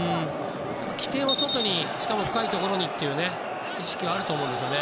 起点は外にしかも深いところにという意識はあると思うんですよね。